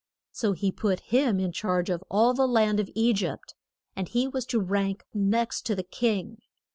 So he put him in charge of all the land of E gypt, and he was to rank next to the king.